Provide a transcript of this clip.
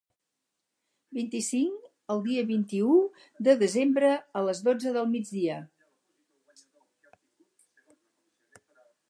Vint-i-cinc el dia vint-i-u de desembre a les dotze del migdia.